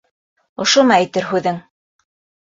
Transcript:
Ошомо әйтер һүҙең?